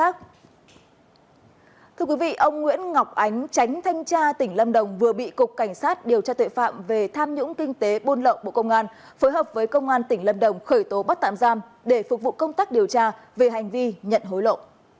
cảnh thanh tra tỉnh lâm đồng vừa bị cục cảnh sát điều tra tuệ phạm về tham nhũng kinh tế buôn lộng bộ công an phối hợp với công an tỉnh lâm đồng khởi tố bắt tạm giam để phục vụ công tác điều tra về hành vi nhận hối lộ